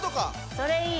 それいい。